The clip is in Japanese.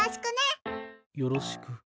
よろしくね。